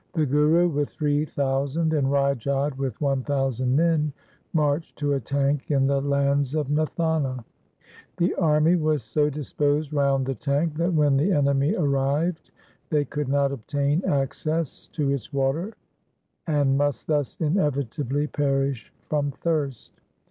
The Guru with three thousand, and Rai Jodh with one thousand men marched to a tank in the lands of Nathana. The army was so disposed round the tank that when the enemy arrived they could not obtain access to its water, and must thus inevitably perish from thirst.